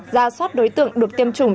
ra soát đối tượng được tiêm chủng